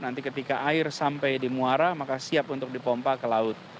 nanti ketika air sampai di muara maka siap untuk dipompa ke laut